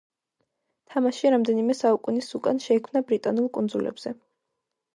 თამაში რამდენიმე საუკუნის უკან შეიქმნა ბრიტანულ კუნძულებზე.